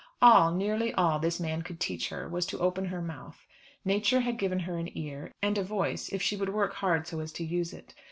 All, nearly all, this man could teach her was to open her mouth. Nature had given her an ear, and a voice, if she would work hard so as to use it.